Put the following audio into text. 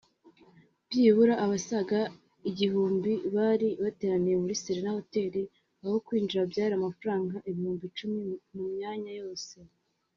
byibura abasaga igihumbi bari bateraniye muri Serena Hotel aho kwinjira byari amafaranga ibihumbi icumi mu myanya yose